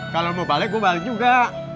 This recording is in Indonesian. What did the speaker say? kalau mau balik gue balik juga